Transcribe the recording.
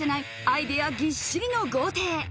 アイデアぎっしりの豪邸。